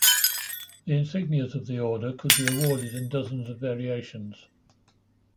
The insignias of the order could be awarded in dozens of variations.